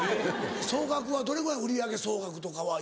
総額はどれくらい売り上げ総額とかは今。